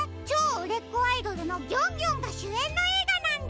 うれっこアイドルのギョンギョンがしゅえんのえいがなんだ！